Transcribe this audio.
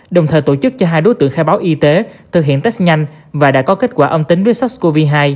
đồng thời tổ chức cho hai đối tượng khai báo y tế thực hiện test nhanh và đã có kết quả âm tính với sars cov hai